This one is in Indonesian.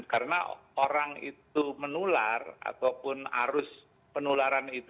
karena orang itu menular ataupun arus penularan itu